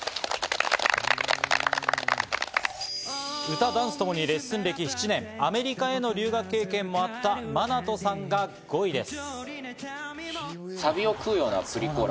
歌・ダンスともにレッスン歴７年、アメリカへの留学経験もあったマナトさんが５位です。